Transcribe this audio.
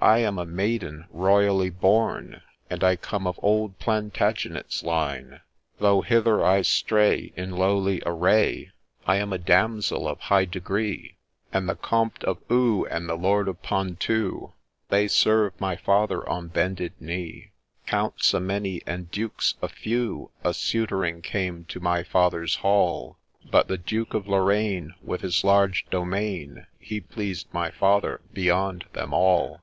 I am a Maiden royally born, And I come of old Plantagenet's line. 4 Though hither I stray, in lowly array, I am a damsel of high degree ; And the Compte of Eu, and the Lord of Ponthieu, They serve my father on bended knee 1 4 Counts a many, and Dukes a few, A suitoring came to my father's Hall ; But the Duke of Lorraine, with his large domain, He pleased my father beyond them all.